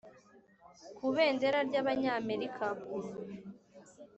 kubendera ry'abanyamerika